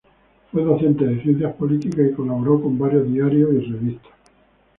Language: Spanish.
Fue docente de ciencias políticas y colaboró con varios diarios y revistas.